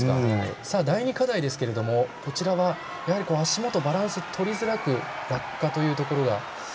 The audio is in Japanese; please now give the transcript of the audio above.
第２課題ですが、こちらは足元、バランスをとりづらく落下というところ。